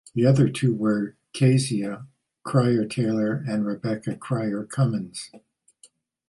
The other two were Kezia Cryer Taylor and Rebecca Cryer Cummins.